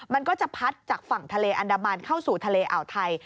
มันก็จะพัดจากฝั่งทะเลอันดามันเข้าสู่ทะเลอ่าวไทย